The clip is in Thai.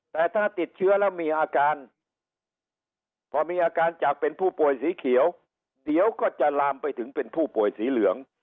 แต่ถ้าติดเชื้อแล้วมีอาการพอมีอาการจากเป็นผู้ป่วยสีเขียวเดี๋ยวก็จะลามไปถึงเป็นผู้ป่วยสีเหลือง